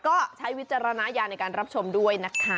ก็ใช้วิจารณญาณในการรับชมด้วยนะคะ